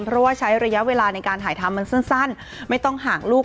เพราะว่าใช้ระยะเวลาในการถ่ายทำมันสั้นไม่ต้องห่างลูก